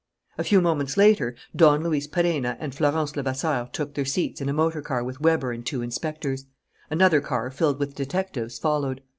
A few moments later Don Luis Perenna and Florence Levasseur took their seats in a motor car with Weber and two inspectors. Another car, filled with detectives, followed.